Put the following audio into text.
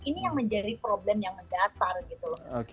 ini yang menjadi problem yang mendasar gitu loh